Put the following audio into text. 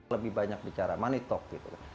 lebih banyak bicara money talk gitu